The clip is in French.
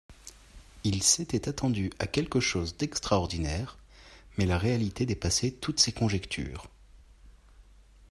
Il s'était attendu à quelque chose d'extraordinaire, mais la réalité dépassait toutes ses conjectures.